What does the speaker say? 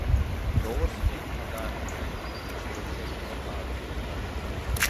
توغرىسىنى ئېيتقاندا مەن ئۇنىڭ چىرىغىدەك بىر ئادەم ئىدىم.